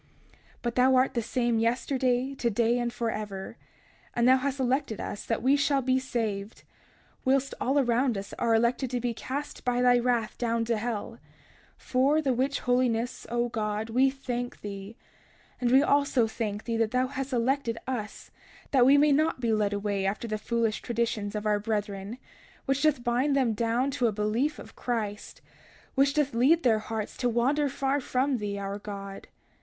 31:17 But thou art the same yesterday, today, and forever; and thou hast elected us that we shall be saved, whilst all around us are elected to be cast by thy wrath down to hell; for the which holiness, O God, we thank thee; and we also thank thee that thou hast elected us, that we may not be led away after the foolish traditions of our brethren, which doth bind them down to a belief of Christ, which doth lead their hearts to wander far from thee, our God.